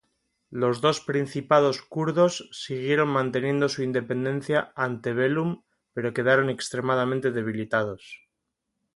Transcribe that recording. Los dos principados kurdos siguieron manteniendo su independencia "ante bellum", pero quedaron extremadamente debilitados.